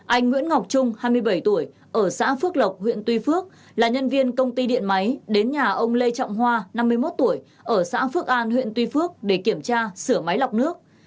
anh nguyễn ngọc trung hai mươi bảy tuổi ở xã phước lộc huyện tuy phước là nhân viên công ty điện máy đến nhà ông lê trọng hoa năm mươi một tuổi ở xã phước an huyện tuy phước để kiểm tra sửa máy lọc nước